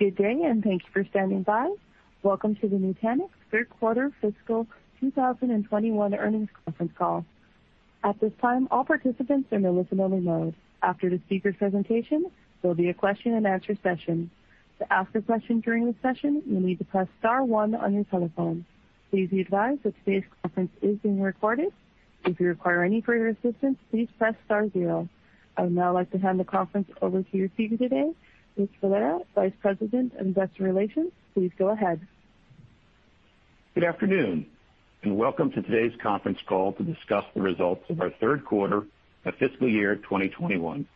Good day, and thanks for standing by. Welcome to the Nutanix third quarter fiscal 2021 earnings conference call. I would now like to hand the conference over to your speaker today, Rich Valera, Vice President of Investor Relations. Please go ahead. Good afternoon, and welcome to today's conference call to discuss the results of our third quarter of fiscal year 2021.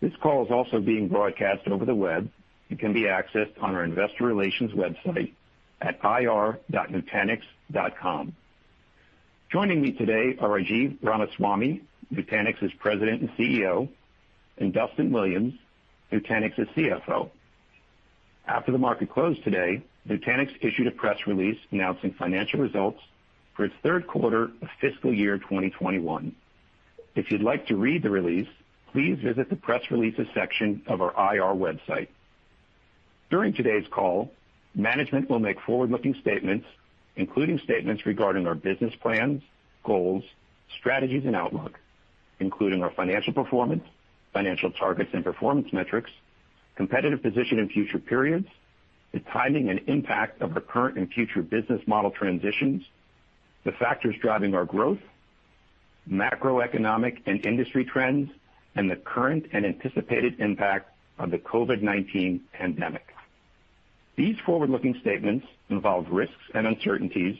This call is also being broadcast over the web and can be accessed on our Investor Relations website at ir.nutanix.com. Joining me today are Rajiv Ramaswami, Nutanix's President and CEO, and Duston Williams, Nutanix's CFO. After the market closed today, Nutanix issued a press release announcing financial results for its third quarter of fiscal year 2021. If you'd like to read the release, please visit the press releases section of our IR website. During today's call, management will make forward-looking statements, including statements regarding our business plans, goals, strategies, and outlook, including our financial performance, financial targets and performance metrics, competitive position in future periods, the timing and impact of our current and future business model transitions, the factors driving our growth, macroeconomic and industry trends, and the current and anticipated impact of the COVID-19 pandemic. These forward-looking statements involve risks and uncertainties,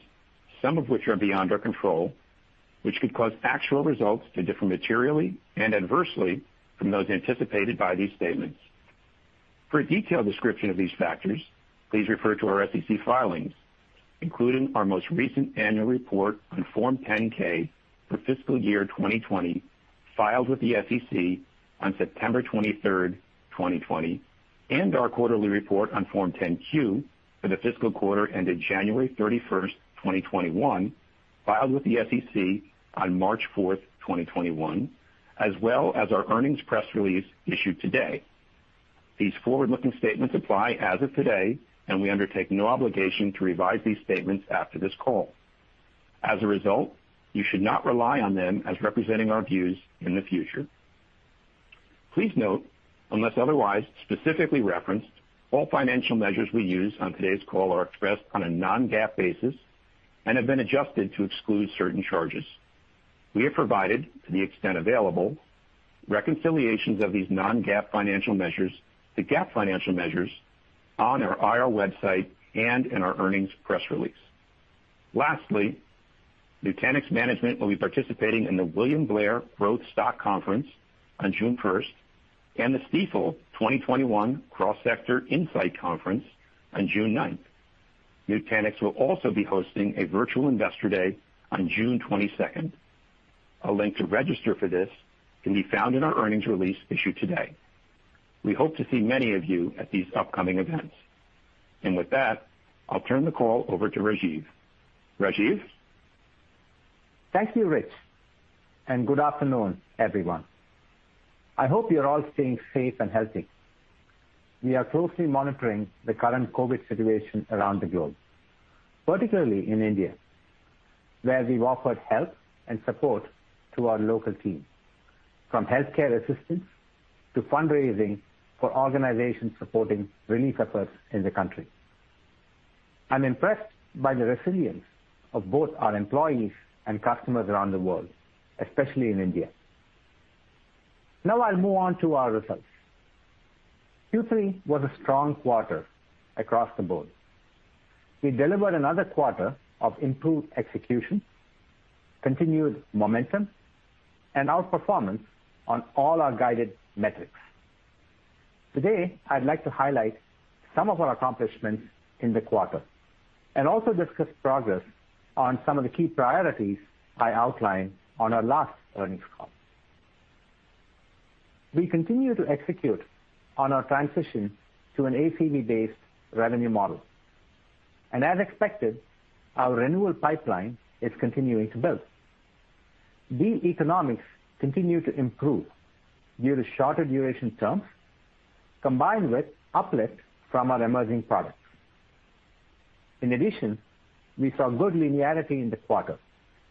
some of which are beyond our control, which could cause actual results to differ materially and adversely from those anticipated by these statements. For a detailed description of these factors, please refer to our SEC filings, including our most recent annual report on Form 10-K for fiscal year 2020, filed with the SEC on September 23rd, 2020, and our quarterly report on Form 10-Q for the fiscal quarter ended January 31st, 2021, filed with the SEC on March 4th, 2021, as well as our earnings press release issued today. These forward-looking statements apply as of today, and we undertake no obligation to revise these statements after this call. As a result, you should not rely on them as representing our views in the future. Please note, unless otherwise specifically referenced, all financial measures we use on today's call are expressed on a non-GAAP basis and have been adjusted to exclude certain charges. We have provided, to the extent available, reconciliations of these non-GAAP financial measures to GAAP financial measures on our IR website and in our earnings press release. Lastly, Nutanix management will be participating in the William Blair Growth Stock Conference on June 1st and the Stifel 2021 Cross Sector Insight Conference on June 9th. Nutanix will also be hosting a virtual Investor Day on June 22nd. A link to register for this can be found in our earnings release issued today. We hope to see many of you at these upcoming events. With that, I'll turn the call over to Rajiv. Rajiv? Thank you, Rich, and good afternoon, everyone. I hope you're all staying safe and healthy. We are closely monitoring the current COVID situation around the globe, particularly in India, where we've offered help and support to our local team, from healthcare assistance to fundraising for organizations supporting relief efforts in the country. I'm impressed by the resilience of both our employees and customers around the world, especially in India. Now I'll move on to our results. Q3 was a strong quarter across the board. We delivered another quarter of improved execution, continued momentum, and outperformance on all our guided metrics. Today, I'd like to highlight some of our accomplishments in the quarter and also discuss progress on some of the key priorities I outlined on our last earnings call. We continue to execute on our transition to an ACV-based revenue model. As expected, our renewal pipeline is continuing to build. Deal economics continue to improve due to shorter duration terms combined with uplift from our emerging products. In addition, we saw good linearity in the quarter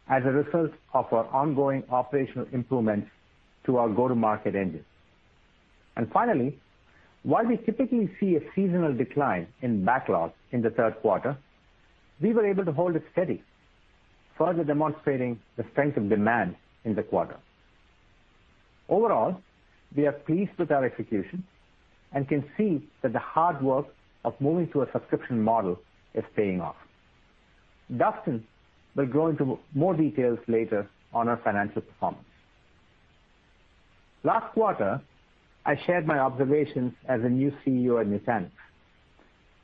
as a result of our ongoing operational improvements to our go-to-market engines. Finally, while we typically see a seasonal decline in backlog in the third quarter, we were able to hold it steady, further demonstrating the strength of demand in the quarter. Overall, we are pleased with our execution and can see that the hard work of moving to a subscription model is paying off. Duston will go into more details later on our financial performance. Last quarter, I shared my observations as a new CEO at Nutanix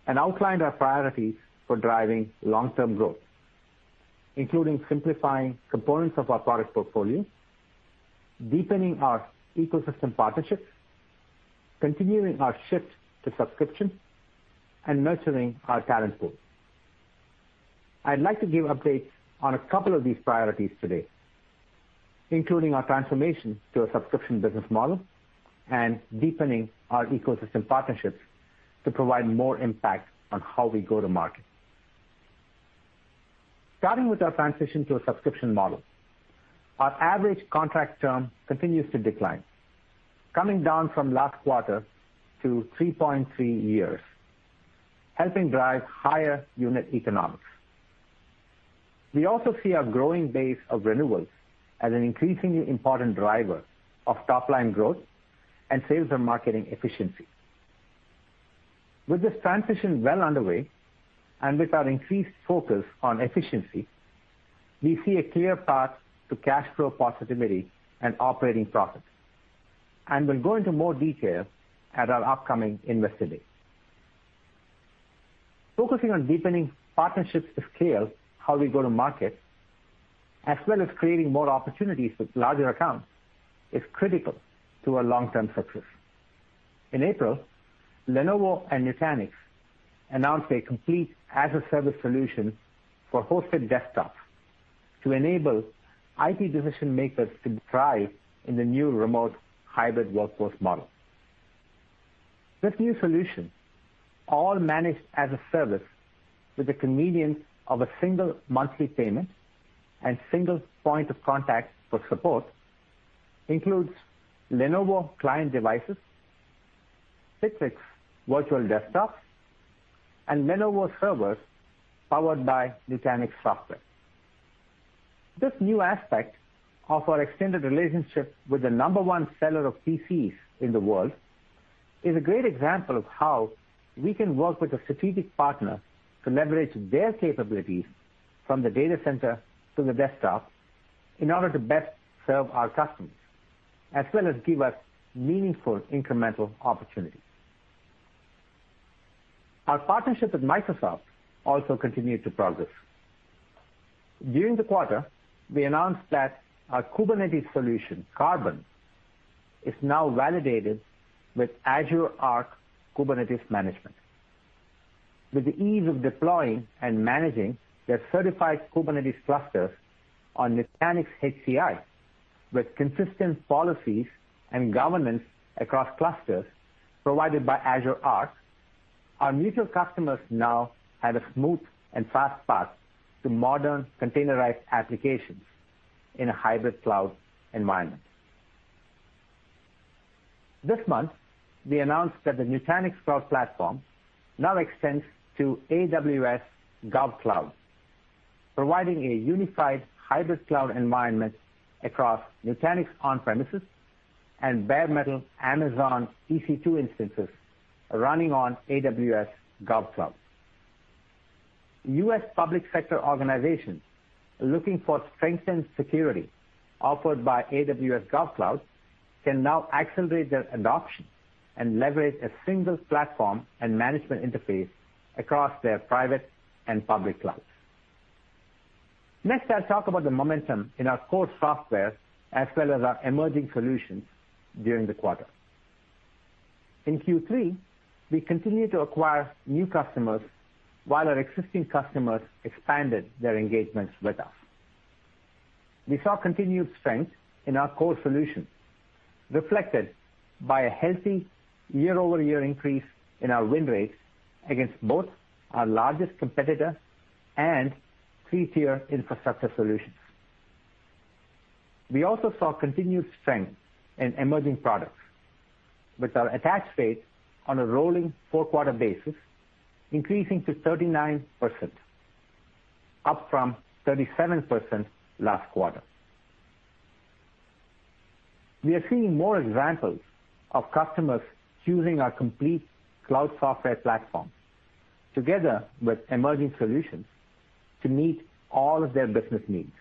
and outlined our priorities for driving long-term growth, including simplifying components of our product portfolio, deepening our ecosystem partnerships, continuing our shift to subscription, and nurturing our talent pool. I'd like to give updates on a couple of these priorities today, including our transformation to a subscription business model and deepening our ecosystem partnerships to provide more impact on how we go to market. Starting with our transition to a subscription model, our average contract term continues to decline, coming down from last quarter to 3.3 years, helping drive higher unit economics. We also see our growing base of renewals as an increasingly important driver of top-line growth and sales and marketing efficiency. With this transition well underway, and with our increased focus on efficiency, we see a clear path to cash flow positivity and operating profits, and we'll go into more detail at our upcoming Investor Day. Focusing on deepening partnerships is clear how we go to market, as well as creating more opportunities with larger accounts is critical to our long-term success. In April, Lenovo and Nutanix announced a complete as-a-service solution for hosted desktops to enable IT decision-makers to thrive in the new remote hybrid workforce model. This new solution, all managed as a service with the convenience of a single monthly payment and single point of contact for support, includes Lenovo client devices, Citrix virtual desktops, and Lenovo servers powered by Nutanix software. This new aspect of our extended relationship with the number one seller of PCs in the world is a great example of how we can work with a strategic partner to leverage their capabilities from the data center to the desktop in order to best serve our customers, as well as give us meaningful incremental opportunities. Our partnership with Microsoft also continued to progress. During the quarter, we announced that our Kubernetes solution, Karbon, is now validated with Azure Arc Kubernetes management. With the ease of deploying and managing their certified Kubernetes clusters on Nutanix HCI with consistent policies and governance across Clusters provided by Azure Arc, our mutual customers now have a smooth and fast path to modern containerized applications in a hybrid cloud environment. This month, we announced that the Nutanix Cloud Platform now extends to AWS GovCloud, providing a unified hybrid cloud environment across Nutanix on-premises and bare metal Amazon EC2 instances running on AWS GovCloud. U.S. public sector organizations looking for strengthened security offered by AWS GovCloud can now accelerate their adoption and leverage a single platform and management interface across their private and public clouds. Next, I'll talk about the momentum in our core software as well as our emerging solutions during the quarter. In Q3, we continued to acquire new customers while our existing customers expanded their engagements with us. We saw continued strength in our core solutions, reflected by a healthy year-over-year increase in our win rates against both our largest competitor and three-tier infrastructure solutions. We also saw continued strength in emerging products, with our attach rate on a rolling four-quarter basis increasing to 39%, up from 37% last quarter. We are seeing more examples of customers choosing our complete cloud software platform together with emerging solutions to meet all of their business needs.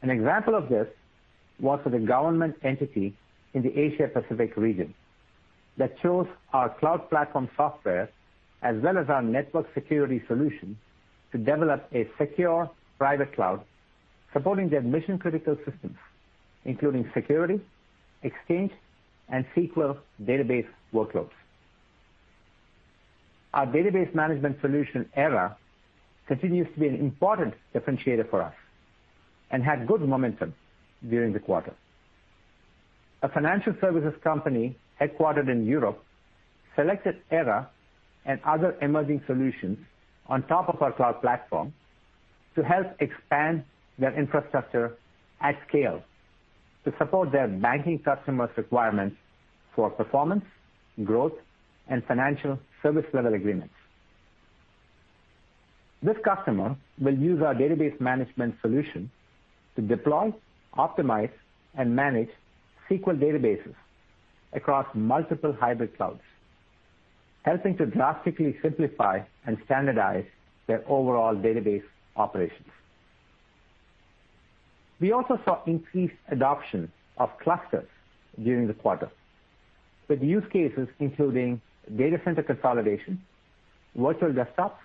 An example of this was with a government entity in the Asia Pacific region that chose our cloud platform software as well as our network security solution to develop a secure private cloud supporting their mission-critical systems, including security, Exchange, and SQL database workloads. Our database management solution, Era, continues to be an important differentiator for us and had good momentum during the quarter. A financial services company headquartered in Europe selected Era and other emerging solutions on top of our cloud platform to help expand their infrastructure at scale to support their banking customers' requirements for performance, growth, and financial service level agreements. This customer will use our database management solution to deploy, optimize, and manage SQL databases across multiple hybrid clouds, helping to drastically simplify and standardize their overall database operations. We also saw increased adoption of Clusters during the quarter, with use cases including data center consolidation, virtual desktops,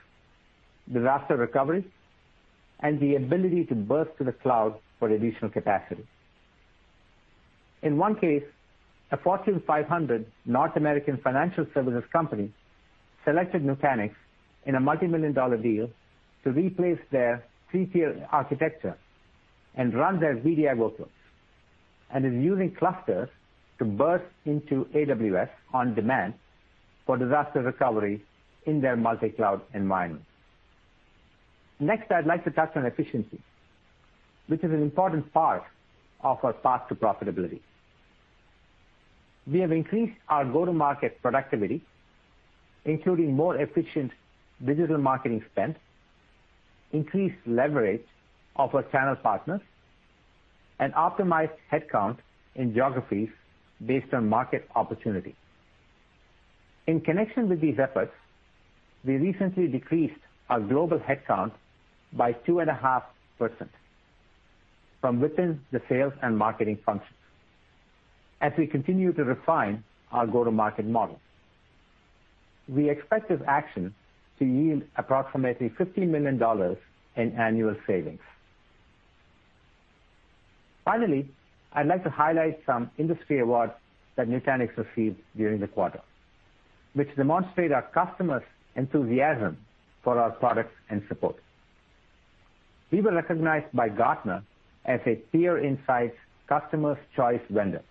disaster recovery, and the ability to burst to the cloud for additional capacity. In one case, a Fortune 500 North American financial services company selected Nutanix in a multimillion-dollar deal to replace their three-tier architecture and run their VDI workloads, and is using Clusters to burst into AWS on-demand for disaster recovery in their multi-cloud environment. Next, I'd like to touch on efficiency, which is an important part of our path to profitability. We have increased our go-to-market productivity, including more efficient digital marketing spend, increased leverage of our channel partners, and optimized headcount in geographies based on market opportunity. In connection with these efforts, we recently decreased our global headcount by 2.5% from within the sales and marketing functions as we continue to refine our go-to-market model. We expect this action to yield approximately $50 million in annual savings. Finally, I'd like to highlight some industry awards that Nutanix received during the quarter, which demonstrate our customers' enthusiasm for our products and support. We were recognized by Gartner as a Peer Insights Customers' Choice vendor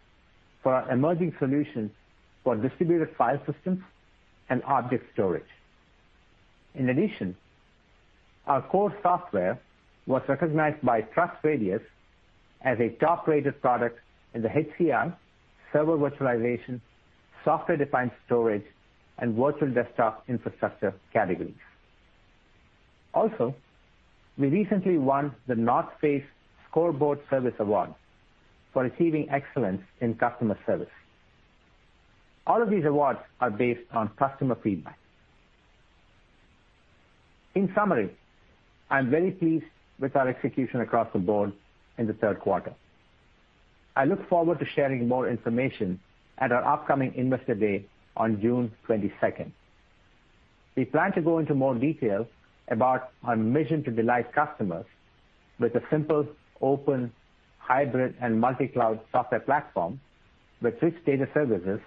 for our emerging solutions for distributed file systems and object storage. In addition, our core software was recognized by TrustRadius as a top-rated product in the HCI, server virtualization, software-defined storage, and virtual desktop infrastructure categories. Also, we recently won the NorthFace ScoreBoard Service Award for achieving excellence in customer service. All of these awards are based on customer feedback. In summary, I'm very pleased with our execution across the board in the third quarter. I look forward to sharing more information at our upcoming Investor Day on June 22nd. We plan to go into more detail about our mission to delight customers with a simple, open hybrid and multi-cloud software platform with rich data services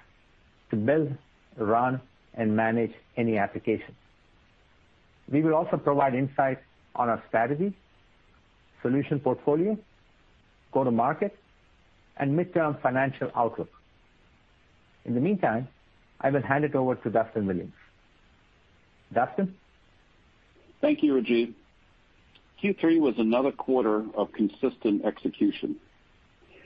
to build, run, and manage any application. We will also provide insights on our strategy, solution portfolio, go-to-market, and mid-term financial outlook. In the meantime, I will hand it over to Duston Williams. Duston? Thank you, Rajiv. Q3 was another quarter of consistent execution.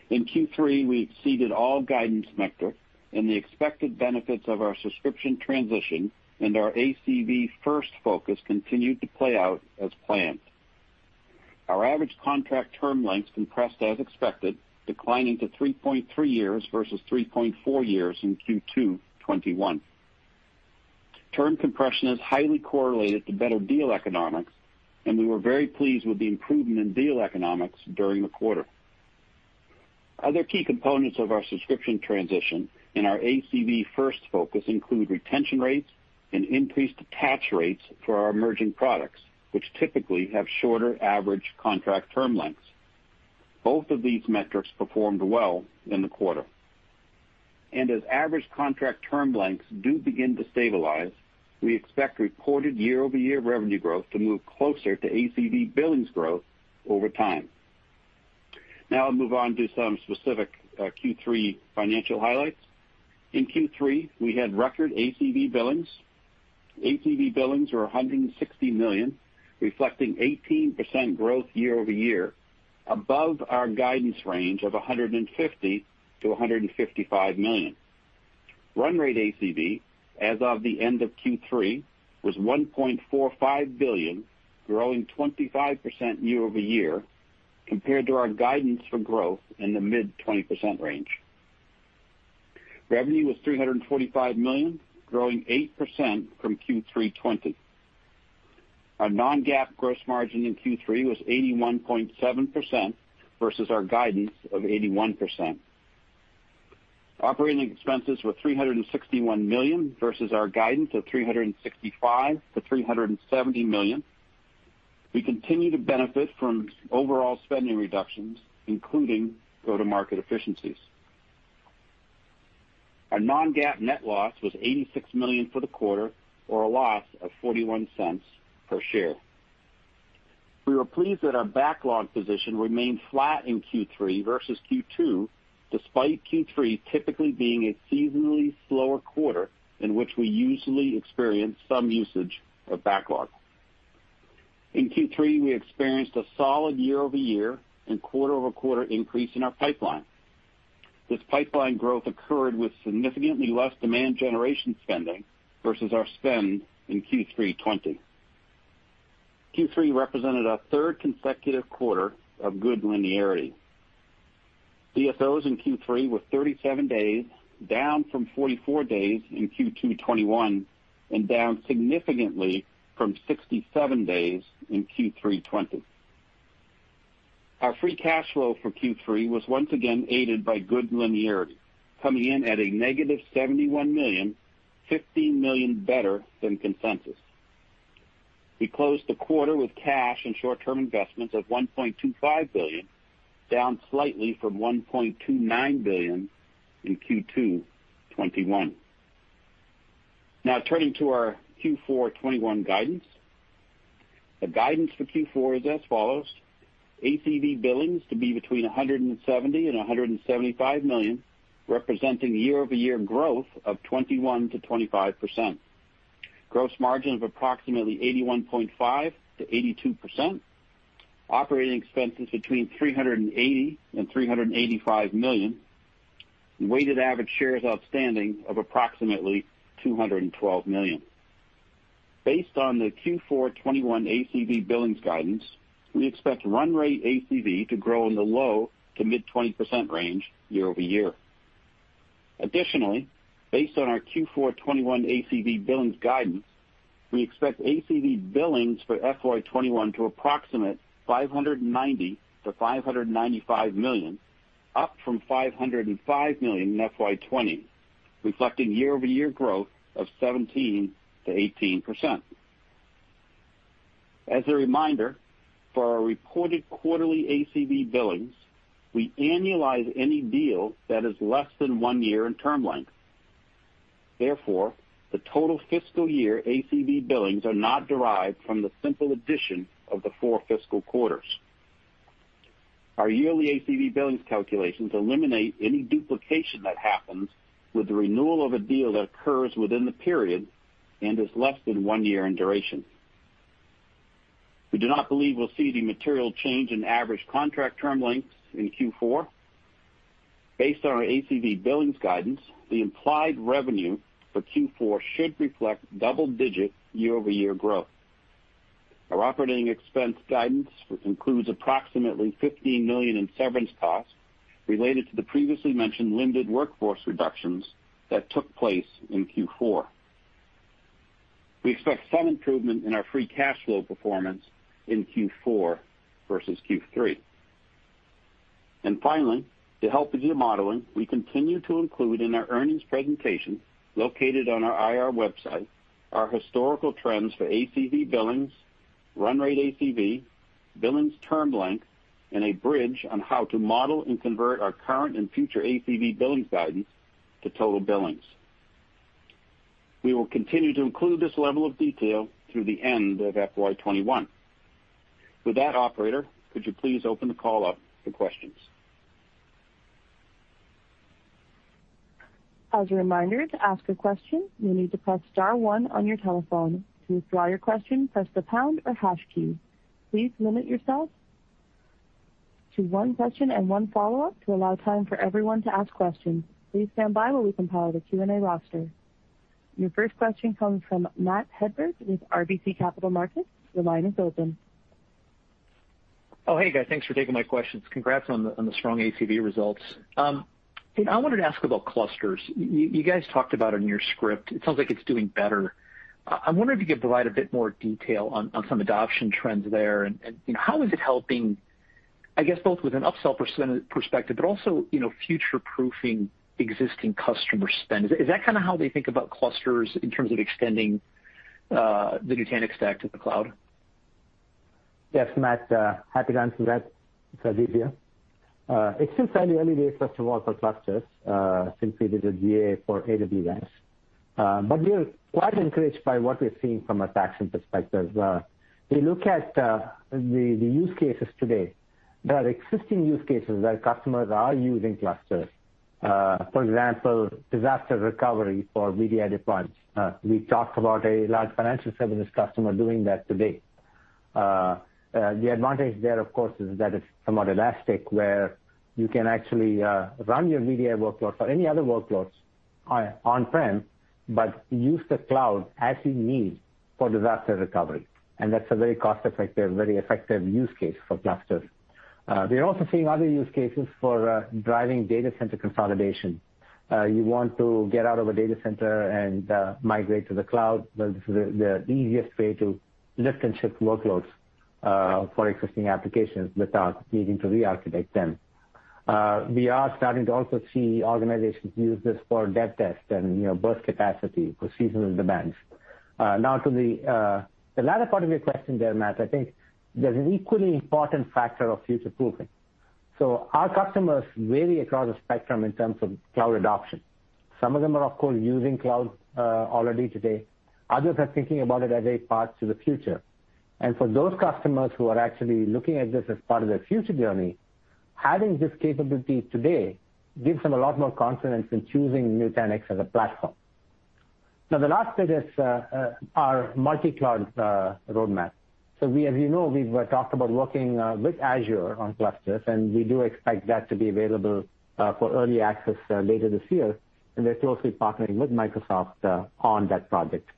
In Q3, we exceeded all guidance metrics and the expected benefits of our subscription transition. Our ACV first focus continued to play out as planned. Our average contract term lengths compressed as expected, declining to 3.3 years versus 3.4 years in Q2 2021. Term compression is highly correlated to better deal economics. We were very pleased with the improvement in deal economics during the quarter. Other key components of our subscription transition and our ACV first focus include retention rates and increased attach rates for our emerging products, which typically have shorter average contract term lengths. Both of these metrics performed well in the quarter. As average contract term lengths do begin to stabilize, we expect reported year-over-year revenue growth to move closer to ACV billings growth over time. Now I'll move on to some specific Q3 financial highlights. In Q3, we had record ACV billings. ACV billings were $160 million, reflecting 18% growth year-over-year above our guidance range of $150 million-$155 million. Run-rate ACV as of the end of Q3 was $1.45 billion, growing 25% year-over-year compared to our guidance for growth in the mid-20% range. Revenue was $325 million, growing 8% from Q3 2020. Our non-GAAP gross margin in Q3 was 81.7% versus our guidance of 81%. Operating expenses were $361 million versus our guidance of $365 million-$370 million. We continue to benefit from overall spending reductions, including go-to-market efficiencies. Our non-GAAP net loss was $86 million for the quarter, or a loss of $0.41 per share. We were pleased that our backlog position remained flat in Q3 versus Q2, despite Q3 typically being a seasonally slower quarter in which we usually experience some usage of backlogs. In Q3, we experienced a solid year-over-year and quarter-over-quarter increase in our pipeline. This pipeline growth occurred with significantly less demand generation spending versus our spend in Q3 2020. Q3 represented our third consecutive quarter of good linearity. DSOs in Q3 were 37 days, down from 44 days in Q2 2021, and down significantly from 67 days in Q3 2020. Our free cash flow for Q3 was once again aided by good linearity, coming in at a -$71 million, $15 million better than consensus. We closed the quarter with cash and short-term investments of $1.25 billion, down slightly from $1.29 billion in Q2 2021. Turning to our Q4 2021 guidance. The guidance for Q4 is as follows. ACV billings to be between $170 million and $175 million, representing year-over-year growth of 21%-25%. Gross margin of approximately 81.5%-82%. Operating expenses between $380 million and $385 million. Weighted average shares outstanding of approximately 212 million. Based on the Q4 2021 ACV billings guidance, we expect run-rate ACV to grow in the low to mid 20% range year-over-year. Additionally, based on our Q4 2021 ACV billings guidance, we expect ACV billings for FY 2021 to approximate $590 million-$595 million, up from $505 million in FY 2020, reflecting year-over-year growth of 17%-18%. As a reminder, for our reported quarterly ACV billings, we annualize any deal that is less than one year in term length. Therefore, the total fiscal year ACV billings are not derived from the simple addition of the four fiscal quarters. Our yearly ACV billings calculations eliminate any duplication that happens with the renewal of a deal that occurs within the period and is less than one year in duration. We do not believe we'll see any material change in average contract term lengths in Q4. Based on our ACV billings guidance, the implied revenue for Q4 should reflect double-digit year-over-year growth. Our operating expense guidance, which includes approximately $15 million in severance costs related to the previously mentioned limited workforce reductions that took place in Q4. We expect some improvement in our free cash flow performance in Q4 versus Q3. Finally, to help with your modeling, we continue to include in our earnings presentation, located on our IR website, our historical trends for ACV billings, run-rate ACV, billings term length, and a bridge on how to model and convert our current and future ACV billings guidance to total billings. We will continue to include this level of detail through the end of FY 2021. With that, operator, could you please open the call up for questions? As a reminder, to ask a question, you'll need to press star one on your telephone. To withdraw your question, press the pound or hash key. Please limit yourself to one question and one follow-up to allow time for everyone to ask questions. Please stand by while we compile the Q&A roster. Your first question comes from Matt Hedberg with RBC Capital Markets. Your line is open. Hey guys, thanks for taking my questions. Congrats on the strong ACV results. I wanted to ask about Clusters. You guys talked about it in your script. It sounds like it's doing better. I wonder if you could provide a bit more detail on some adoption trends there and how is it helping, I guess both with an upsell perspective, but also future-proofing existing customer spend. Is that how they think about Clusters in terms of extending the Nutanix stack to the cloud? Yes, Matt, happy to answer that. It's Rajiv here. It's still fairly early days, first of all, for Clusters since we did a GA for AWS. We are quite encouraged by what we're seeing from a traction perspective. If you look at the use cases today, there are existing use cases where customers are using Clusters. For example, disaster recovery for VDI deployments. We talked about a large financial services customer doing that today. The advantage there, of course, is that it's somewhat elastic, where you can actually run your VDI workloads or any other workloads on-prem, but use the cloud as you need for disaster recovery. That's a very cost-effective, very effective use case for Clusters. We're also seeing other use cases for driving data center consolidation. You want to get out of a data center and migrate to the cloud. This is the easiest way to lift and shift workloads for existing applications without needing to re-architect them. We are starting to also see organizations use this for dev test and burst capacity for seasonal demands. To the latter part of your question there, Matt, I think there's an equally important factor of future-proofing. Our customers vary across the spectrum in terms of cloud adoption. Some of them are, of course, using cloud already today. Others are thinking about it as a path to the future. For those customers who are actually looking at this as part of their future journey, having this capability today gives them a lot more confidence in choosing Nutanix as a platform. The last bit is our multi-cloud roadmap. As you know, we've talked about working with Azure on Clusters, and we do expect that to be available for early access later this year, and we're closely partnering with Microsoft on that project.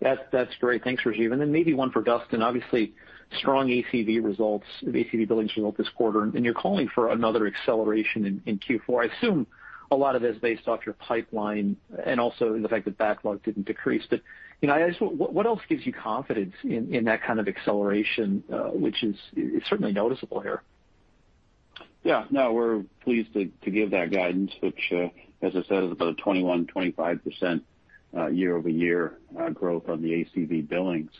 That's great. Thanks, Rajiv. Maybe one for Duston. Obviously, strong ACV results with ACV billings you wrote this quarter, and you're calling for another acceleration in Q4. I assume a lot of it is based off your pipeline and also the fact that backlog didn't decrease. I guess what else gives you confidence in that kind of acceleration, which is certainly noticeable here? Yeah. No, we're pleased to give that guidance, which, as I said, is about a 21%-25% year-over-year growth on the ACV billings.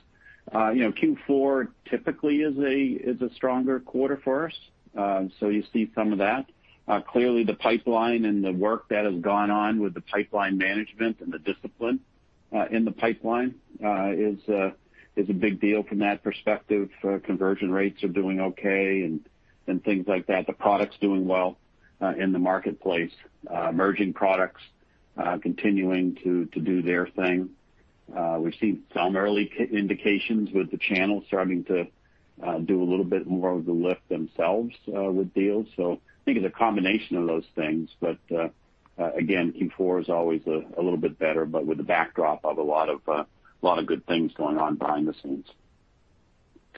Q4 typically is a stronger quarter for us. You see some of that. Clearly, the pipeline and the work that has gone on with the pipeline management and the discipline in the pipeline is a big deal from that perspective. Conversion rates are doing okay and things like that. The product's doing well in the marketplace. Emerging products continuing to do their thing. We've seen some early indications with the channel starting to do a little bit more of the lift themselves with deals. I think it's a combination of those things, but again, Q4 is always a little bit better, but with the backdrop of a lot of good things going on behind the scenes.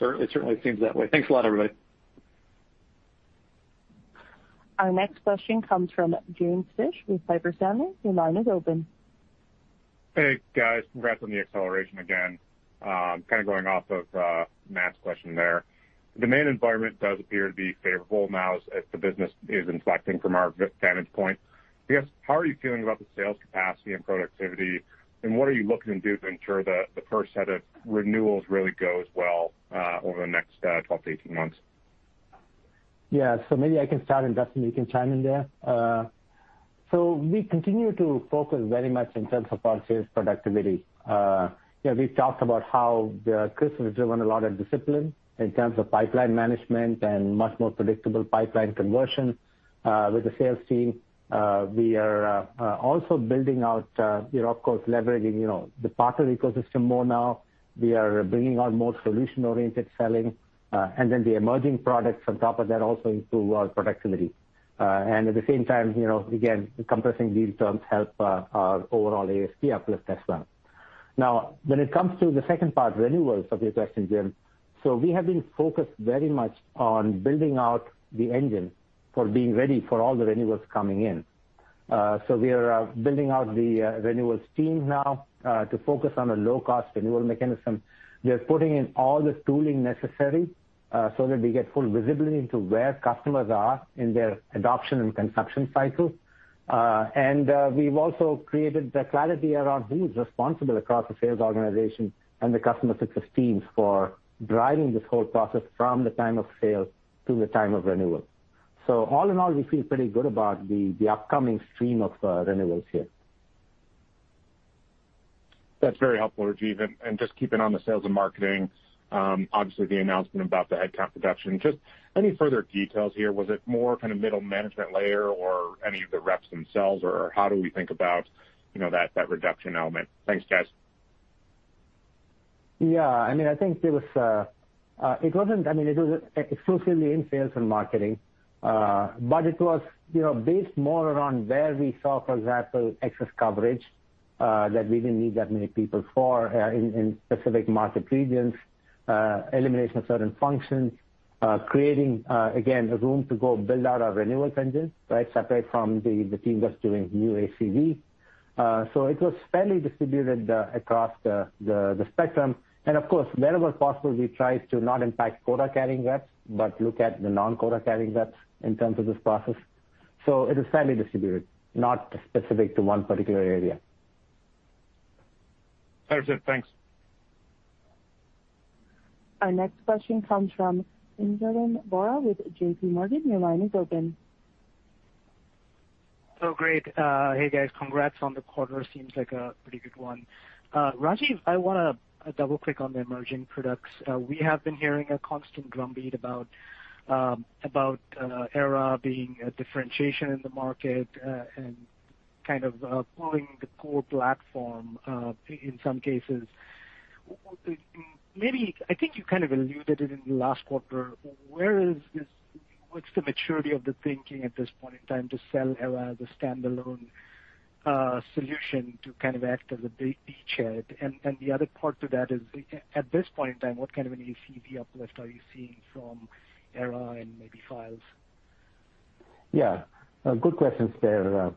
It certainly seems that way. Thanks a lot, everybody. Our next question comes from James Fish with Piper Sandler. Your line is open. Hey, guys. Congrats on the acceleration again. Kind of going off of Matt's question there. Demand environment does appear to be favorable now as the business is inflecting from our vantage point. I guess, how are you feeling about the sales capacity and productivity, and what are you looking to do to ensure that the first set of renewals really goes well over the next 12-18 months? Maybe I can start and Duston, you can chime in there. We continue to focus very much in terms of our sales productivity. We talked about how Chris has driven a lot of discipline in terms of pipeline management and much more predictable pipeline conversion with the sales team. We are also building out, of course, leveraging the partner ecosystem more now. We are bringing on more solution-oriented selling, the emerging products on top of that also improve our productivity. At the same time, again, compressing lead terms help our overall ASP uplift as well. When it comes to the second part, renewals, of your question, James. We have been focused very much on building out the engine for being ready for all the renewals coming in. We are building out the renewals team now to focus on a low-cost renewal mechanism. We are putting in all the tooling necessary so that we get full visibility into where customers are in their adoption and consumption cycle. We've also created the clarity around who's responsible across the sales organization and the customer success teams for driving this whole process from the time of sale to the time of renewal. All in all, we feel pretty good about the upcoming stream of renewals here. That's very helpful, Rajiv. Just keeping on the sales and marketing, obviously the announcement about the headcount reduction. Just any further details here? Was it more kind of middle management layer or any of the reps themselves, or how do we think about that reduction element? Thanks, guys. Yeah. I think it wasn't exclusively in sales and marketing. It was based more around where we saw, for example, excess coverage that we didn't need that many people for in specific market regions, elimination of certain functions, creating, again, the room to go build out our renewal engines, separate from the team that's doing new ACV. It was fairly distributed across the spectrum. Of course, wherever possible, we tried to not impact quota-carrying reps, but look at the non-quota-carrying reps in terms of this process. It is fairly distributed, not specific to one particular area. That's it. Thanks. Our next question comes from Pinjalim Bora with JPMorgan. Your line is open. Oh, great. Hey, guys. Congrats on the quarter. Seems like a pretty good one. Rajiv, I want to double-click on the emerging products. We have been hearing a constant drumbeat about Era being a differentiation in the market and kind of pulling the core platform in some cases. Maybe, I think you kind of alluded it in the last quarter. What's the maturity of the thinking at this point in time to sell Era as a standalone solution to kind of act as a beachhead? The other part to that is, at this point in time, what kind of an ACV uplift are you seeing from Era and maybe Files? Yeah. Good questions there.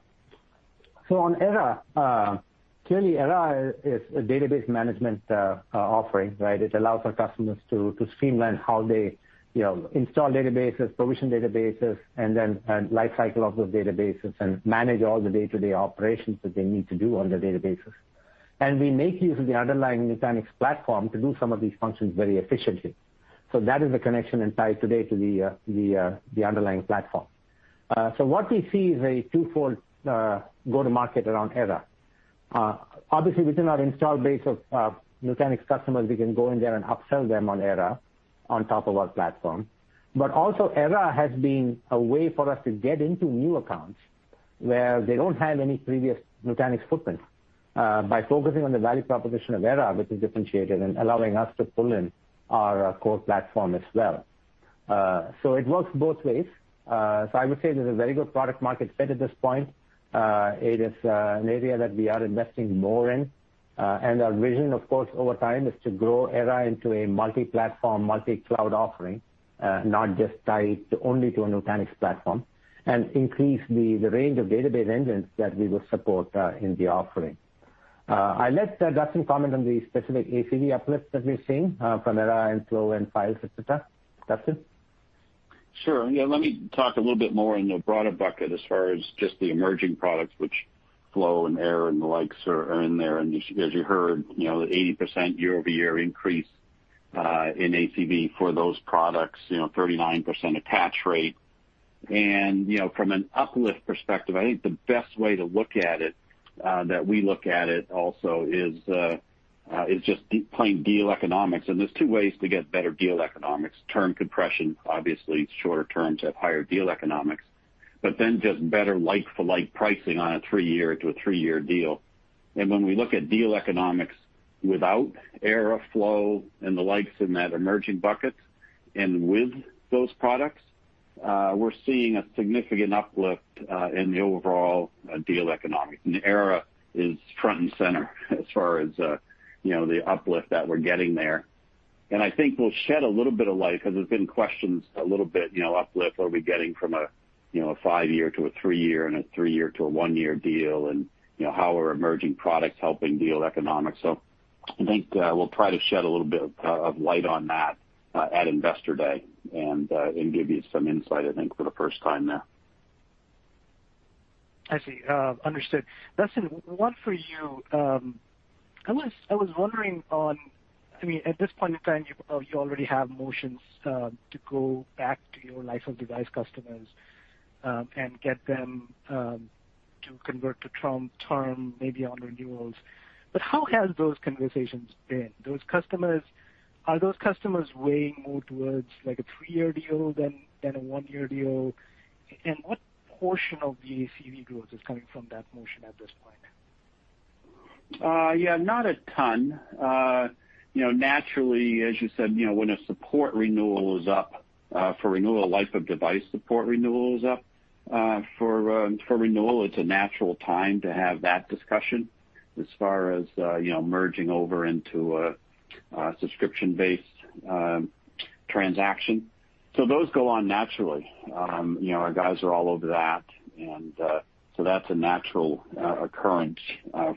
On Era, clearly Era is a database management offering. It allows our customers to streamline how they install databases, provision databases, and then lifecycle of those databases, and manage all the day-to-day operations that they need to do on the databases. We make use of the underlying Nutanix platform to do some of these functions very efficiently. That is the connection and tie today to the underlying platform. What we see is a twofold go-to-market around Era. Obviously, within our install base of Nutanix customers, we can go in there and upsell them on Era on top of our platform. Also Era has been a way for us to get into new accounts where they don't have any previous Nutanix footprint. By focusing on the value proposition of Era, which is differentiated and allowing us to pull in our core platform as well. It works both ways. I would say there's a very good product market fit at this point. It is an area that we are investing more in. Our vision, of course, over time is to grow Era into a multi-platform, multi-cloud offering, not just tied only to a Nutanix platform, and increase the range of database engines that we will support in the offering. I'll let Duston comment on the specific ACV uplifts that we've seen from Era and Flow and Files, et cetera. Duston? Sure. Yeah, let me talk a little bit more in the broader bucket as far as just the emerging products, which Flow and Era and the likes are in there. As you heard, 80% year-over-year increase in ACV for those products, 39% attach rate. From an uplift perspective, I think the best way to look at it, that we look at it also is just plain deal economics. There's two ways to get better deal economics. Term compression, obviously, shorter terms have higher deal economics, but then just better like-for-like pricing on a three-year to a three-year deal. When we look at deal economics without Era, Flow, and the likes in that emerging bucket and with those products, we're seeing a significant uplift in the overall deal economics. Era is front and center as far as the uplift that we're getting there. I think we'll shed a little bit of light, because there's been questions a little bit, uplift, are we getting from a five-year to a three-year and a three-year to a one-year deal, and how are emerging products helping deal economics. I think we'll try to shed a little bit of light on that at Investor Day and give you some insight, I think, for the first time there. I see. Understood. Duston, one for you. I was wondering on, at this point in time, you already have motions to go back to your life-of-device customers, and get them to convert to term maybe on renewals. How have those conversations been? Are those customers weighing more towards a three-year deal than a one-year deal? What portion of the ACV growth is coming from that motion at this point? Not a ton. Naturally, as you said, when a support renewal is up for renewal of life-of-device support, it is a natural time to have that discussion as far as merging over into a subscription-based transaction. Those go on naturally. Our guys are all over that. That is a natural occurrence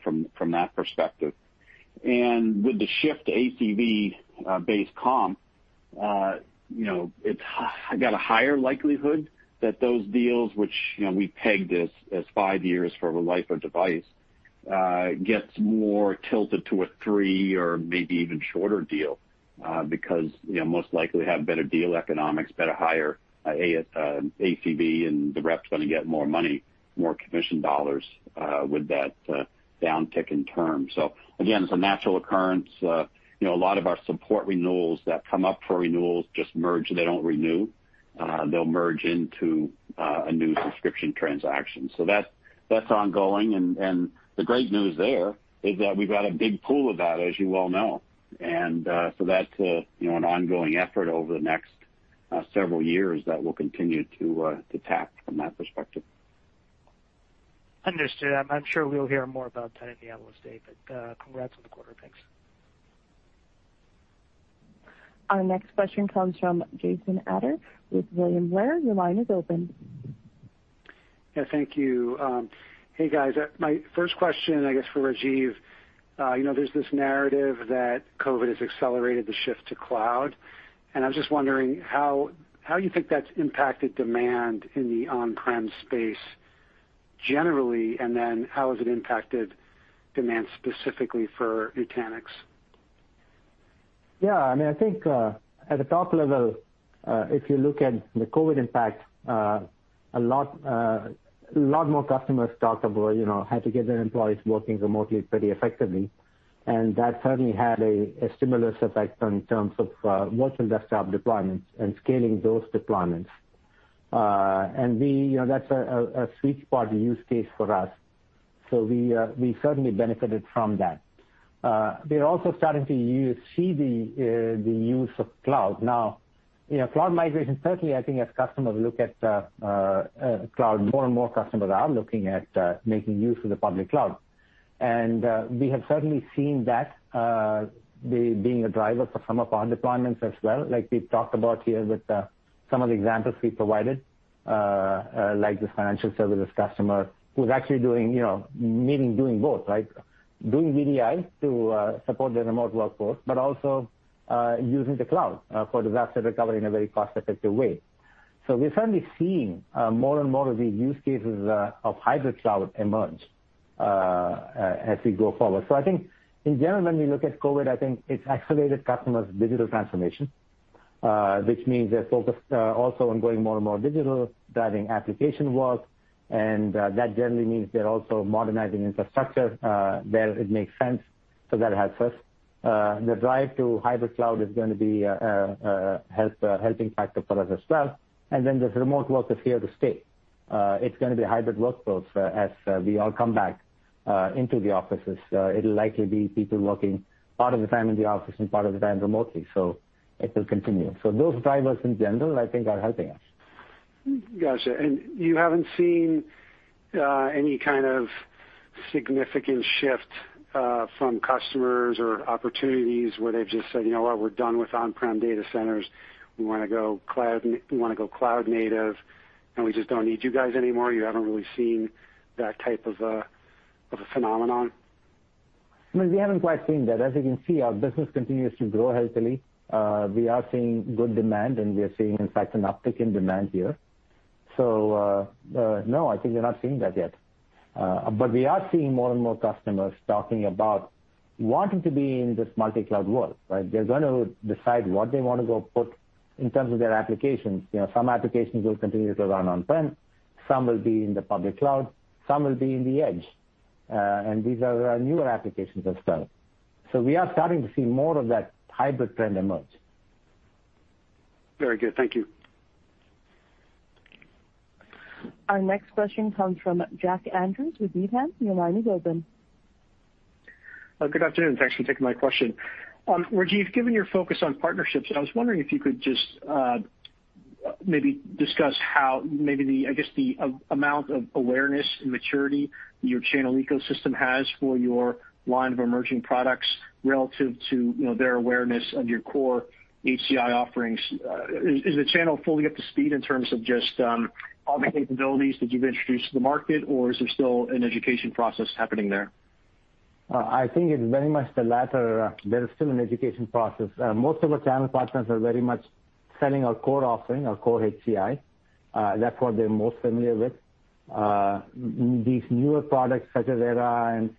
from that perspective. With the shift to ACV-based comp, it has got a higher likelihood that those deals, which we pegged as five years for a life-of-device, gets more tilted to a three or maybe even shorter deal. Most likely have better deal economics, better higher ACV, and the rep is going to get more money, more commission dollars with that downtick in term. Again, it is a natural occurrence. A lot of our support renewals that come up for renewals just merge, they do not renew. They'll merge into a new subscription transaction. That's ongoing, and the great news there is that we've got a big pool of that, as you well know. That's an ongoing effort over the next several years that we'll continue to tap from that perspective. Understood. I'm sure we'll hear more about that in the Analyst Day. Congrats on the quarter. Thanks. Our next question comes from Jason Ader with William Blair. Yeah. Thank you. Hey, guys. My first question, I guess, for Rajiv. There's this narrative that COVID has accelerated the shift to cloud, and I'm just wondering how you think that's impacted demand in the on-prem space generally, and then how has it impacted demand specifically for Nutanix? Yeah. I think at the top level, if you look at the COVID impact, a lot more customers talked about how to get their employees working remotely pretty effectively. That certainly had a stimulus effect in terms of virtual desktop deployments and scaling those deployments. That's a sweet spot use case for us. We certainly benefited from that. We're also starting to see the use of cloud. Now, cloud migration, certainly, I think as customers look at cloud, more and more customers are looking at making use of the public cloud. We have certainly seen that being a driver for some of our deployments as well, like we've talked about here with some of the examples we provided, like this financial services customer who's actually doing both, right? Doing VDI to support their remote workforce, but also using the cloud for disaster recovery in a very cost-effective way. We're certainly seeing more and more of the use cases of hybrid cloud emerge as we go forward. I think in general, when we look at COVID, I think it's accelerated customers' digital transformation, which means they're focused also on going more and more digital, driving application work, and that generally means they're also modernizing infrastructure where it makes sense. That helps us. The drive to hybrid cloud is going to be helping factor for us as well. There's remote work is here to stay. It's going to be hybrid workforce as we all come back into the offices. It'll likely be people working part of the time in the office and part of the time remotely. It will continue. Those drivers in general, I think, are helping us. Got you. You haven't seen any kind of significant shift from customers or opportunities where they've just said, "You know what? We're done with on-prem data centers. We want to go cloud native, and we just don't need you guys anymore." You haven't really seen that type of a phenomenon? We haven't quite seen that. As you can see, our business continues to grow healthily. We are seeing good demand, and we are seeing, in fact, an uptick in demand here. No, I think we're not seeing that yet. We are seeing more and more customers talking about wanting to be in this multi-cloud world. They're going to decide what they want to go put in terms of their applications. Some applications will continue to run on-prem, some will be in the public cloud, some will be in the edge. These are our newer applications as well. We are starting to see more of that hybrid trend emerge. Very good. Thank you. Our next question comes from Jack Andrews with Needham. Your line is open. Good afternoon. Thanks for taking my question. Rajiv, given your focus on partnerships, I was wondering if you could just maybe discuss how, I guess, the amount of awareness and maturity your channel ecosystem has for your line of emerging products relative to their awareness of your core HCI offerings. Is the channel fully up to speed in terms of just all the capabilities that you've introduced to the market, or is there still an education process happening there? I think it's very much the latter. There's still an education process. Most of our channel partners are very much selling our core offering, our core HCI. That's what they're most familiar with. These newer products such as Era and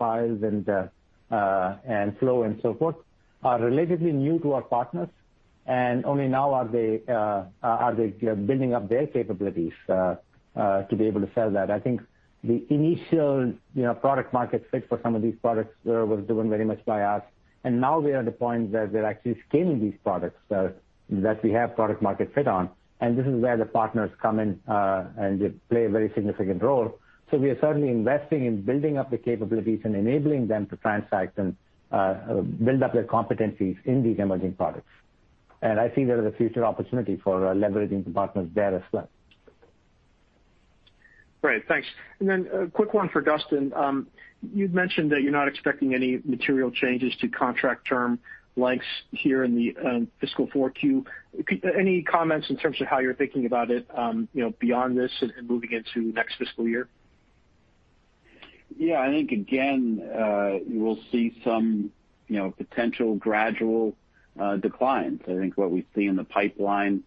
Files and Flow and so forth are relatively new to our partners, and only now are they building up their capabilities to be able to sell that. I think the initial product market fit for some of these products was done very much by us, and now we are at the point where we're actually scaling these products that we have product market fit on, and this is where the partners come in and play a very significant role. We are certainly investing in building up the capabilities and enabling them to transact and build up their competencies in these emerging products. I think there's a future opportunity for leveraging partners there as well. Great. Thanks. A quick one for Duston. You've mentioned that you're not expecting any material changes to contract term lengths here in the fiscal 4Q. Any comments in terms of how you're thinking about it beyond this and moving into next fiscal year? Yeah, I think again, we'll see some potential gradual declines. I think what we see in the pipeline,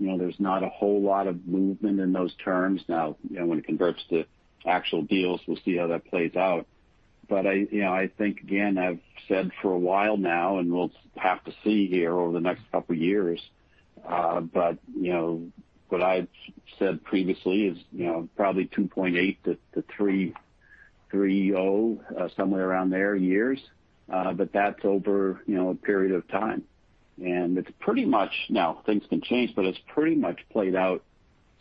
there's not a whole lot of movement in those terms. When it converts to actual deals, we'll see how that plays out. I think, again, I've said for a while now, and we'll have to see here over the next couple of years, but what I've said previously is probably 2.8 to 3.0, somewhere around there, years. That's over a period of time. It's pretty much, now things can change, but it's pretty much played out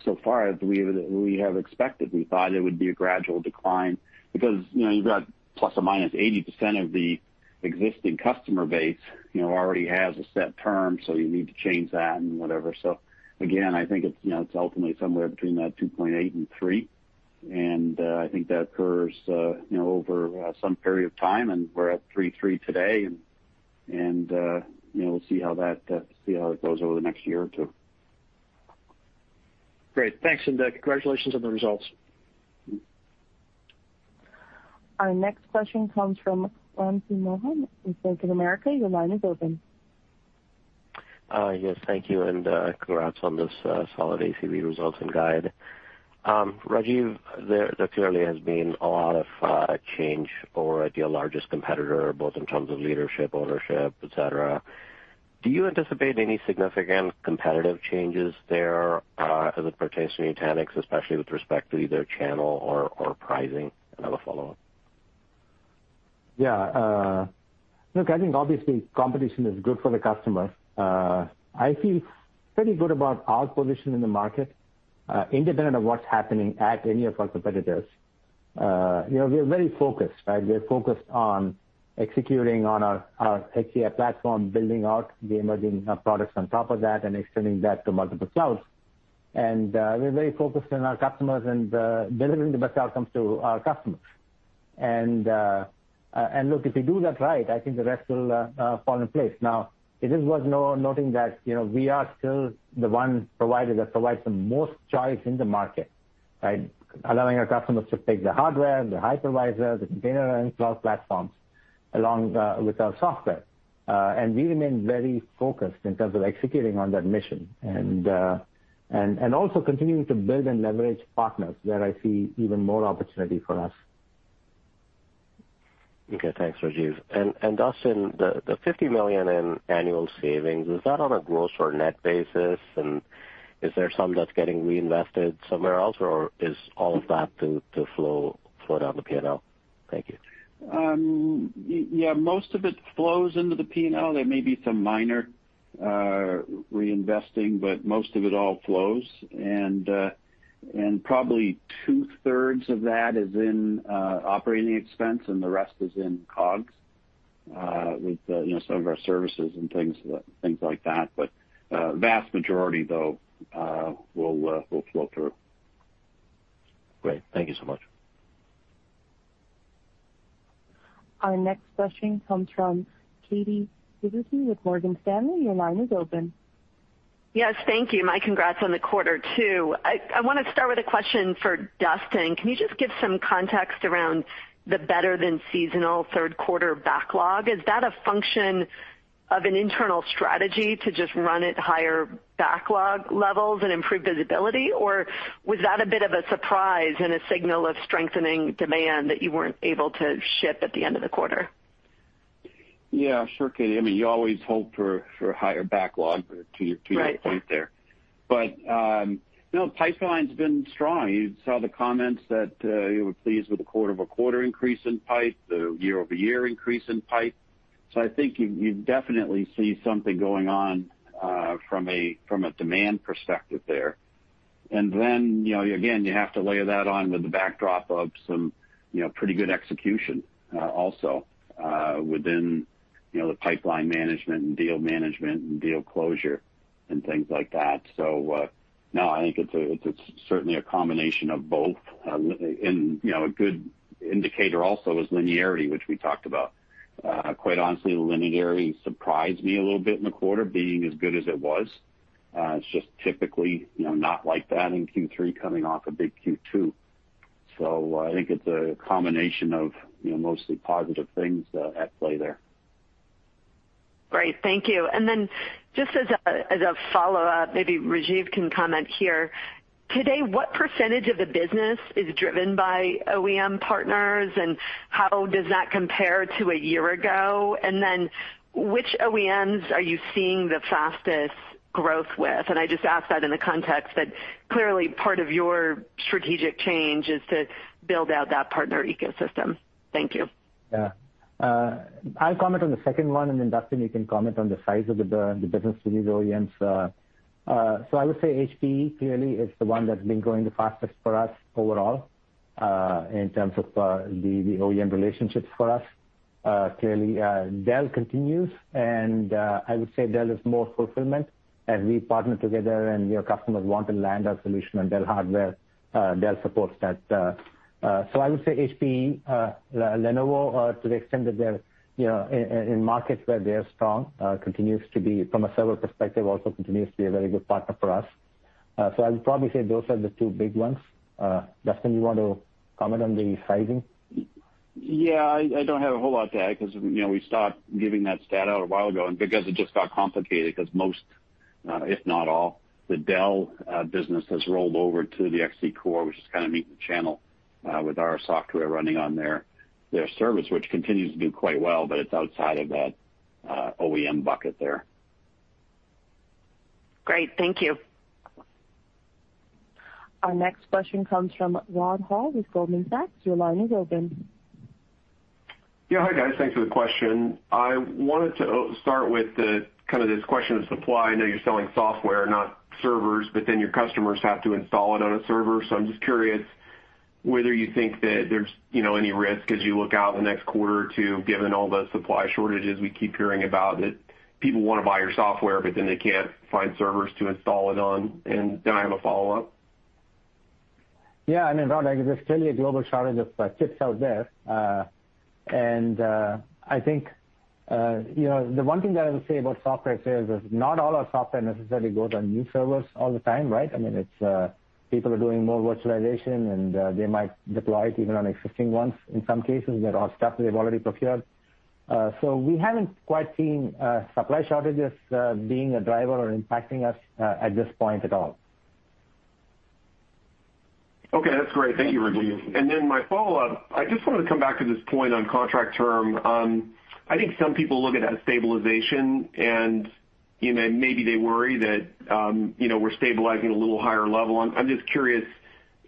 so far as we have expected. We thought it would be a gradual decline because you've got ±80% of the existing customer base already has a set term, so you need to change that and whatever. I think it's ultimately somewhere between that 2.8 and three. I think that occurs over some period of time. We're at 3.3 today. We'll see how it goes over the next year or two. Great. Thanks. Congratulations on the results. Our next question comes from Wamsi Mohan with Bank of America. Your line is open. Yes, thank you, Congrats on this solid ACV results and guide, Rajiv. There clearly has been a lot of change over at your largest competitor, both in terms of leadership, ownership, et cetera. Do you anticipate any significant competitive changes there as it pertains to Nutanix, especially with respect to either channel or pricing? I have a follow-up. Look, I think obviously competition is good for the customer. I feel pretty good about our position in the market, independent of what's happening at any of our competitors. We are very focused. We are focused on executing on our HCI platform, building out the emerging products on top of that, and extending that to multiple clouds. We're very focused on our customers and delivering the best outcome to our customers. Look, if we do that right, I think the rest will fall in place. Now, it is worth noting that we are still the one provider that provides the most choice in the market by allowing our customers to pick the hardware, the hypervisor, the container and cloud platforms along with our software. We remain very focused in terms of executing on that mission. Also continuing to build and leverage partners where I see even more opportunity for us. Okay. Thanks, Rajiv. Duston, the $50 million in annual savings, is that on a gross or net basis? Is there some that's getting reinvested somewhere else, or is all of that to flow to the P&L? Thank you. Yeah, most of it flows into the P&L. There may be some minor reinvesting, but most of it all flows. Probably 2/3 of that is in operating expense, and the rest is in COGS with some of our services and things like that. The vast majority, though, will flow through. Great. Thank you so much. Our next question comes from Katy Huberty with Morgan Stanley. Your line is open. Yes. Thank you. My congrats on the quarter too. I want to start with a question for Duston. Can you just give some context around the better-than-seasonal third quarter backlog? Is that a function of an internal strategy to just run at higher backlog levels and improve visibility, or was that a bit of a surprise and a signal of strengthening demand that you weren't able to ship at the end of the quarter? Yeah, sure, Katy. You always hope for a higher backlog to- Right. Your point there. Pipeline's been strong. You saw the comments that it would please with a quarter-over-quarter increase in pipe, the year-over-year increase in pipe. I think you definitely see something going on from a demand perspective there. Again, you have to layer that on with the backdrop of some pretty good execution also within the pipeline management and deal management and deal closure and things like that. I think it's certainly a combination of both. A good indicator also is linearity, which we talked about. Quite honestly, linearity surprised me a little bit in the quarter, being as good as it was. It's just typically not like that in Q3 coming off a big Q2. I think it's a combination of mostly positive things at play there. Great. Thank you. Just as a follow-up, maybe Rajiv can comment here. Today, what percentage of the business is driven by OEM partners, and how does that compare to a year ago? Which OEMs are you seeing the fastest growth with? I just ask that in the context that clearly part of your strategic change is to build out that partner ecosystem. Thank you. I'll comment on the second one, and Duston, you can comment on the size of the business with these OEMs. I would say HPE clearly is the one that's been growing the fastest for us overall, in terms of the OEM relationships for us. Clearly, Dell continues, and I would say Dell is more fulfillment. As we partner together and your customers want to land our solution on Dell hardware, Dell supports that. I would say HPE, Lenovo to the extent that they're in markets where they're strong, continues to be from a server perspective, also continues to be a very good partner for us. I would probably say those are the two big ones. Duston, you want to comment on the sizing? Yeah, I don't have a whole lot to add because we stopped giving that stat out a while ago, and because it just got complicated, because most, if not all the Dell business has rolled over to the XC Core, which is kind of in the channel with our software running on their servers, which continues to do quite well, but it's outside of that OEM bucket there. Great. Thank you. Our next question comes from Rod Hall with Goldman Sachs. Your line is open. Yeah. Hi, guys. Thanks for the question. I wanted to start with this question of supply. I know you're selling software, not servers, but then your customers have to install it on a server. I'm just curious whether you think that there's any risk as you look out the next quarter or two, given all the supply shortages we keep hearing about, that people want to buy your software, but then they can't find servers to install it on. I have a follow-up. Yeah, I thought there's still a global shortage of chips out there. I think the one thing that I would say about software is not all our software necessarily goes on new servers all the time, right? People are doing more virtualization, and they might deploy it even on existing ones. In some cases, there are stuff they've already procured. We haven't quite seen supply shortages being a driver or impacting us at this point at all. Okay, that's great. Thank you, Rajiv. My follow-up, I just want to come back to this point on contract term. I think some people look at that stabilization, and maybe they worry that we're stabilizing a little higher level. I'm just curious,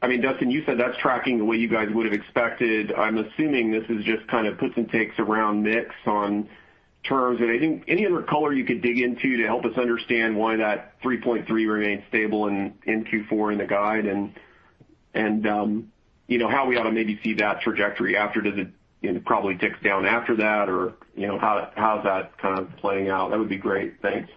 Duston, you said that's tracking the way you guys would have expected. I'm assuming this is just kind of puts and takes around mix on terms. Any other color you could dig into to help us understand why that 3.3 remains stable in Q4 in the guide, and how we ought to maybe see that trajectory probably ticks down after that, or how's that kind of playing out? That would be great. Thanks.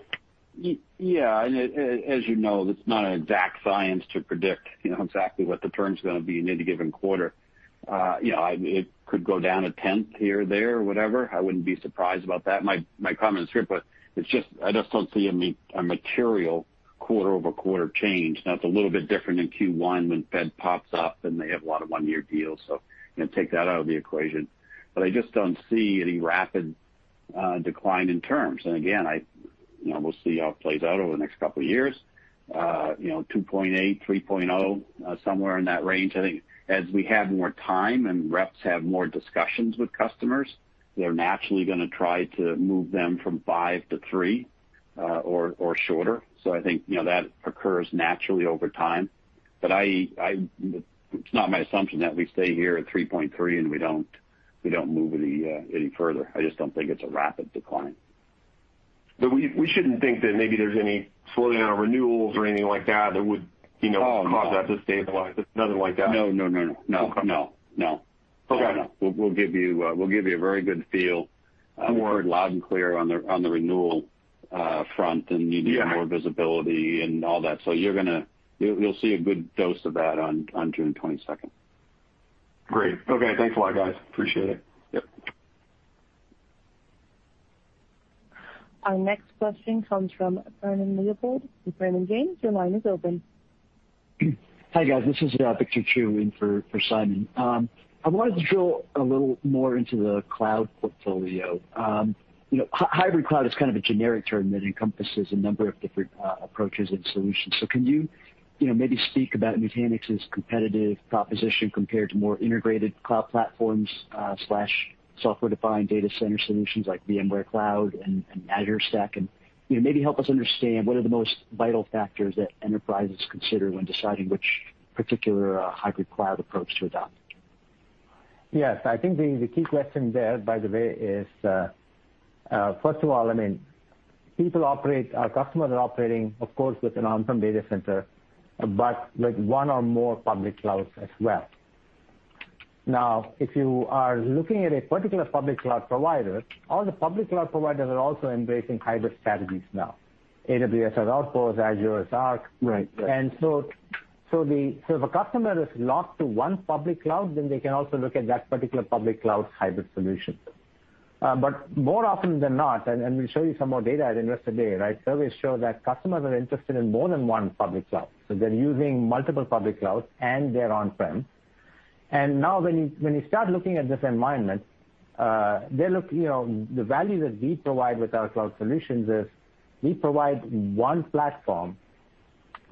Yeah. As you know, it's not an exact science to predict exactly what the term's going to be in any given quarter. It could go down a tenth here or there or whatever. I wouldn't be surprised about that. My comment is clear. I just don't see a material quarter-over-quarter change. It's a little bit different in Q1 when Fed pops up. They have a lot of one-year deals. You can take that out of the equation. I just don't see any rapid decline in terms. Again, we'll see how it plays out over the next couple of years. 2.8, 3.0, somewhere in that range. I think as we have more time and reps have more discussions with customers, they're naturally going to try to move them from five to three or shorter. I think that occurs naturally over time. It's not my assumption that we stay here at 3.3 and we don't move any further. I just don't think it's a rapid decline. We shouldn't think that maybe there's any slowing on renewals or anything like that? No. Cause that to stabilize. Nothing like that? No. Okay. We'll give you a very good feel. More- Loud and clear on the renewal front. Yeah. More visibility and all that. You'll see a good dose of that on June 22nd. Great. Okay. Thanks a lot, guys. Appreciate it. Yep. Our next question comes from Simon Leopold with Raymond James. Your line is open. Hi, guys. This is Victor Chiu in for Simon. I want to draw a little more into the cloud portfolio. Hybrid cloud is kind of generic term that encompasses a number of different approaches and solutions. So can you maybe speak about Nutanix's competitive proposition compared to more integrated cloud platforms/software defined data center solutions like VMware Cloud and Azure Stack and maybe help us understand what are the most vital factors that enterprises consider when deciding which particular hybrid cloud approach to adopt? Yes, I think the key question there, by the way is, first of all, I mean, people operate, our customers are operating, of course, with an on-prem data center, but with one or more public cloud as well. Now if you are looking at a particular public cloud provider, all the public cloud providers are also embracing hybrid strategies now. AWS has Outposts, Azure Arc and so the customers is locked to one public cloud and they can also look at that particular public cloud hybrid solutions. But more often than not and we showed you some more data at Investor Day, where we show that customers are interested in more than one public cloud. So they are using multiple public clouds and their on-prem and now when your start looking at this environment, they look the value that we provide with our cloud solution is, we provide one platform,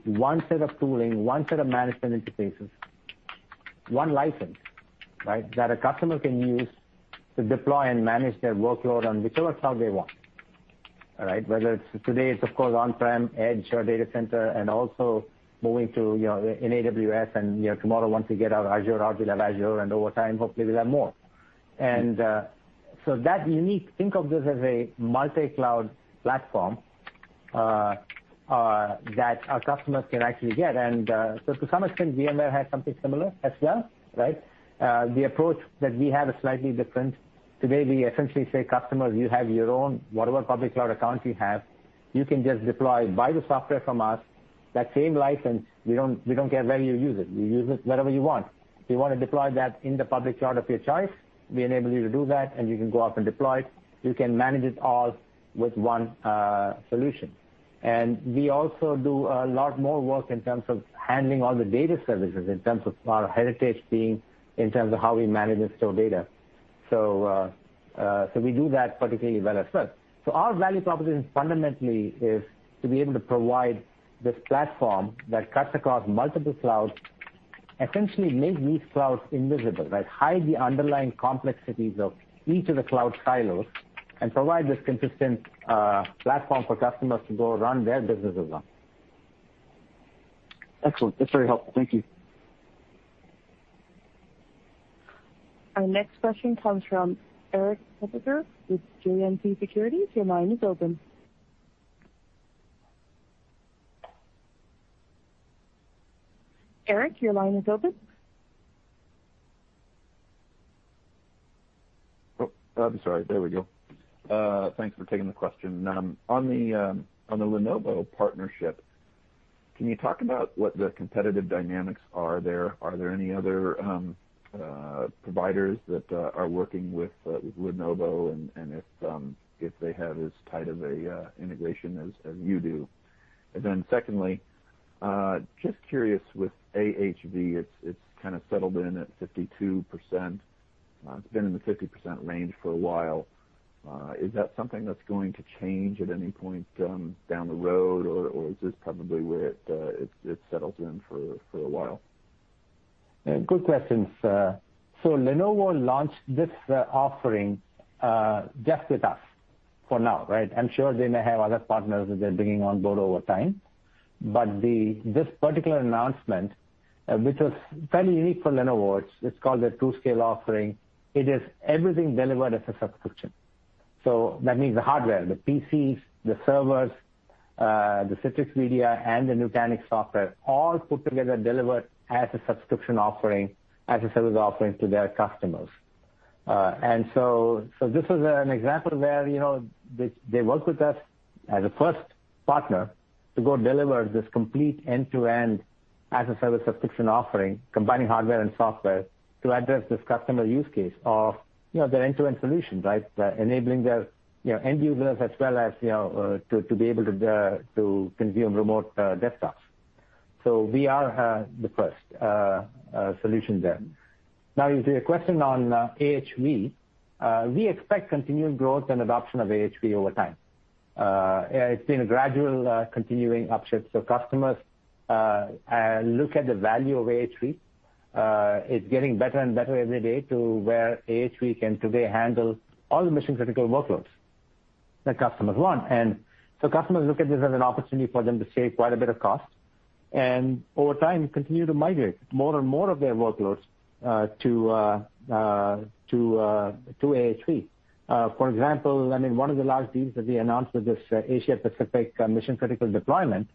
one set of tooling, one set of management interfaces, one license that a customer can use to deploy and manage their workload on whichever cloud they want. Whether it's today is of course on-prem, edge or data center and also moving to AWS and tomorrow once we get our Azure out, and over time, hopefully we'll have more. And so that unique, think of this as multi-cloud platform that our customers can actually get and to some extent VMware has something similar as well, right. The approach we have a slight different, today we essentially say customers you have your own whatever public accounts you have, you can just deploy, buy the software from us that same license, you don't get where you use it. You use it wherever you want. If you want to deploy that in the public cloud of your choice, we enable you to do that and you can go out and deploy it. You can manage it all with one solution. And we also do a lot more work in terms of handling all the data services in terms of our heritage being in terms of how we manage and store data. So we do that particularly well as well. So our value proposition fundamentally is to be able to provide this platform that cuts across multiple clouds, essentially make these clouds invisible, highly underlying complexities of each cloud silos and provide this consistent platform for customers to go run their businesses on. Excellent. That's very helpful. Thank you. Our next question comes from Erik Suppiger with JMP Securities. Your line is open. Erik, your line is open. Oh, I'm sorry. There we go. Thanks for taking the question. On the Lenovo partnership, can you talk about what the competitive dynamics are there? Are there any other providers that are working with Lenovo, and if they have as tight of a integration as you do? Secondly, just curious with AHV, it's kind of settled in at 52%. It's been in the 50% range for a while. Is that something's going to change at any point down the road, or is this probably where it settles in for a while? Good questions. Lenovo launched this offering, just with us for now, right? I'm sure they may have other partners that they're bringing on board over time. This particular announcement, which is very unique for Lenovo, it's called a TruScale offering. It is everything delivered as a subscription. That means the hardware, the PCs, the servers, the Citrix VDI, and the Nutanix software, all put together, delivered as a subscription offering, as a service offering to their customers. This was an example where they work with us as a first partner to go deliver this complete end-to-end as-a-service subscription offering, combining hardware and software to address this customer use case of their end-to-end solution, right? Enabling their end users as well as to be able to consume remote desktops. We are the first solution there. Now, your question on AHV, we expect continued growth and adoption of AHV over time. It's been a gradual continuing upshift. Customers look at the value of AHV. It's getting better and better every day to where AHV can today handle all the mission-critical workloads that customers want. Customers look at this as an opportunity for them to save quite a bit of cost, and over time, continue to migrate more and more of their workloads to AHV. For example, one of the large deals that we announced with this Asia-Pacific mission-critical deployment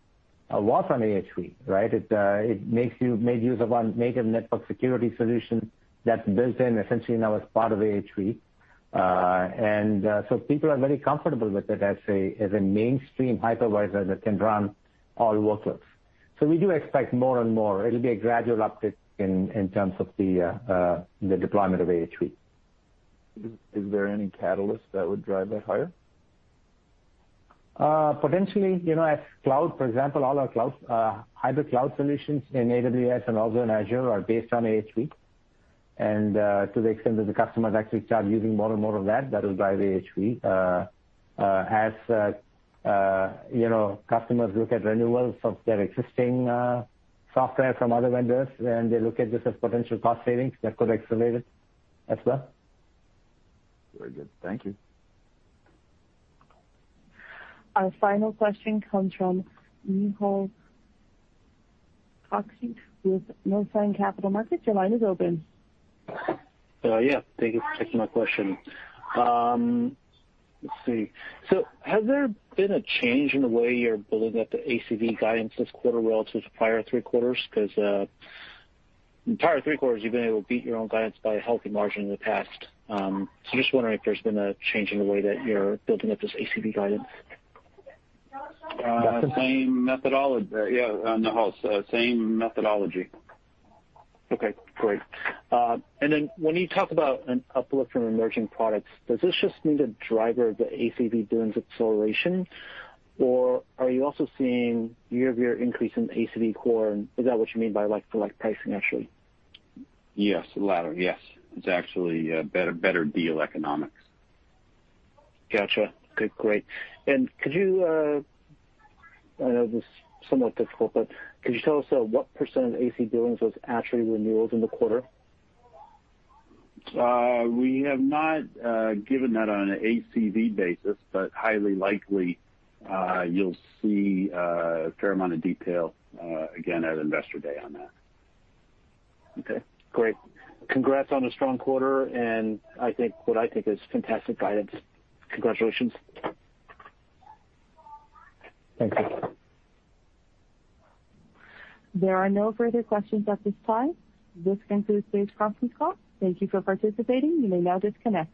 was on AHV, right? It made use of one native network security solution that's built in essentially now as part of AHV. People are very comfortable with it as a mainstream hypervisor that can run all workloads. We do expect more and more. It'll be a gradual uptick in terms of the deployment of AHV. Is there any catalyst that would drive that higher? Potentially, cloud, for example, all our cloud, hybrid cloud solutions in AWS and also in Azure are based on AHV. To the extent that the customers actually start using more and more of that will drive AHV. As customers look at renewals of their existing software from other vendors, then they look at this as potential cost savings that could accelerate it as well. Very good. Thank you. Our final question comes from Nehal Chokshi with Northland Capital Markets. Your line is open. Yeah. Thank you for taking my question. Let's see. Has there been a change in the way you're building up the ACV guidance this quarter relative to the prior three quarters? Because the entire three quarters, you've been able to beat your own guidance by a healthy margin in the past. Just wondering if there's been a change in the way that you're building up this ACV guidance. Same methodology. Same methodology. Okay, great. When you talk about an uplift in emerging products, does this just mean a driver of the ACV billings acceleration, or are you also seeing year-over-year increase in ACV core? Is that what you mean by select pricing actually? Yes, the latter. Yes. It's actually better deal economics. Got you. Okay, great. Could you, I know this is somewhat difficult, but could you tell us what percent of ACV billings was actually renewals in the quarter? We have not given that on an ACV basis, but highly likely you'll see a fair amount of detail again at Investor Day on that. Okay, great. Congrats on a strong quarter and what I think is fantastic guidance. Congratulations. Thank you. There are no further questions at this time. This concludes today's conference call. Thank you for participating. You may now disconnect.